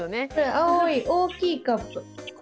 青い大きいカップ。